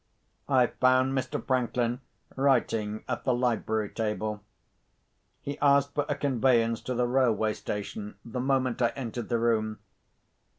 I found Mr. Franklin writing at the library table. He asked for a conveyance to the railway station the moment I entered the room.